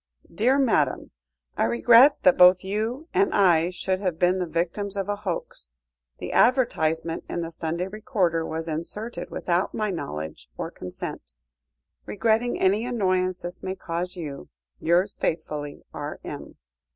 "DEAR MADAM, "I regret that both you and I should have been the victims of a hoax. The advertisement in the Sunday Recorder was inserted without my knowledge or consent. Regretting any annoyance this may cause you. "Yours faithfully, R.M."